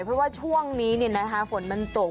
เพราะว่าช่วงนี้ฝนมันตก